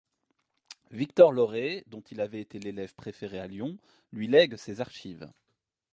Victor Loret dont il avait été l'élève préféré à Lyon, lui lègue ses archives.